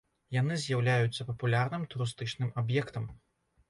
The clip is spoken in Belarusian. Яны з'яўляюцца папулярным турыстычным аб'ектам.